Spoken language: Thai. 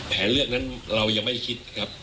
แผนเลือกนั้นเรายังไม่ได้คิดครับ